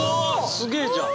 すげえじゃん！